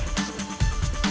susilo obamanggola mengatakan